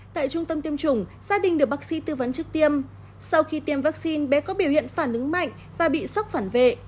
tại trung tâm tiêm chủng gia đình được bác sĩ tư vấn trước tiêm sau khi tiêm vaccine bé có biểu hiện phản ứng mạnh và bị sốc phản vệ